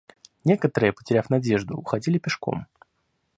Некоторые, потеряв надежду, уходили пешком.